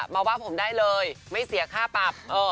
มาว่าผมได้เลยไม่เสียค่าปรับ